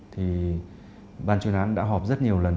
thì bàn chuyên án đã họp rất nhiều lần